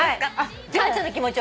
じゃあ。